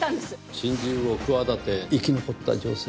心中を企て生き残った女性。